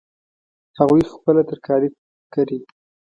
هغوی خپله ترکاري کري